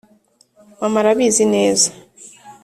mama arabizi neza